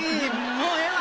もうええわ。